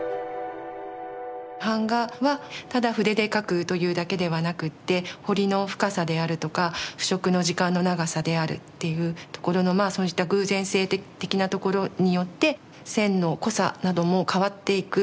版画はただ筆で描くというだけではなくって彫りの深さであるとか腐食の時間の長さであるっていうところのそうした偶然性的なところによって線の濃さなども変わっていく。